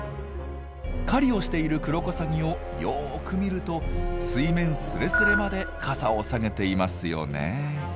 狩りをしているクロコサギをよく見ると水面スレスレまで傘を下げていますよね。